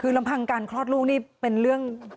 คือบางทะเลการคลอดลูกนี่เป็นเรื่อง